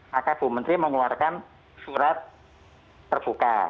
maka bumetri mengeluarkan surat terbuka